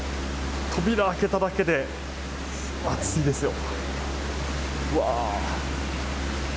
扉を開けただけで熱いですよ。